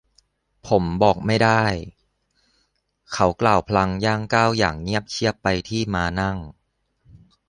ผมบอกไม่ได้ เขากล่าวพลางย่างก้าวอย่างเงียบเชียบไปที่ม้านั่ง